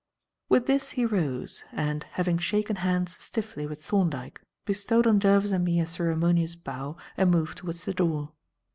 With this he rose, and, having shaken hands stiffly with Thorndyke, bestowed on Jervis and me a ceremonious bow and moved towards the door.